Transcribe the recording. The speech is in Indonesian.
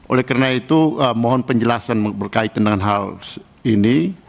oleh karena itu mohon penjelasan berkaitan dengan hal ini